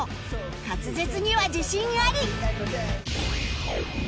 滑舌には自信あり！